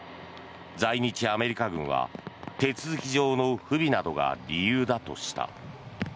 在日アメリカ軍は手続き上の不備などが理由だとした。